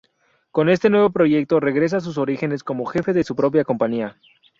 Con este nuevo proyecto regresa a sus orígenes como jefe de su propia compañía.